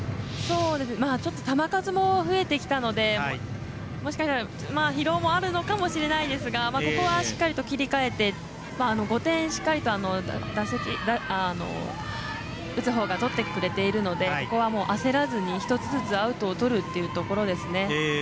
ちょっと球数も増えてきたのでもしかしたら疲労もあるのかもしれないですがここはしっかりと切り替えて５点しっかりと打つほうがとってくれているのでここは焦らずに１つずつアウトをとるというところですね。